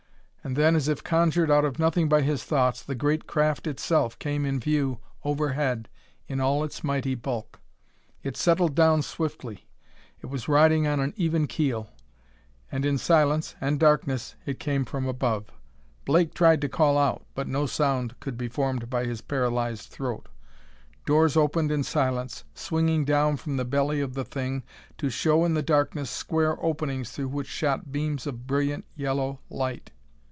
And then, as if conjured out of nothing by his thoughts, the great craft itself came in view overhead in all its mighty bulk. It settled down swiftly: it was riding on an even keel. And in silence and darkness it came from above. Blake tried to call out, but no sound could be formed by his paralyzed throat. Doors opened in silence, swinging down from the belly of the thing to show in the darkness square openings through which shot beams of brilliant yellow light.